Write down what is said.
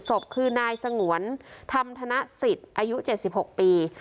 ศพคือนายสงวนธรรมธนสิทธิ์อายุเจ็ดสิบหกปี